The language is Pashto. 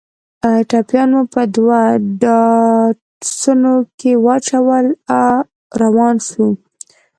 ټپيان مو په دوو ډاټسنو کښې واچول روان سو.